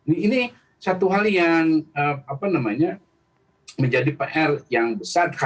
ini satu hal yang menjadi pr yang besar